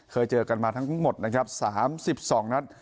เจอกันมาทั้งหมดนะครับ๓๒นัด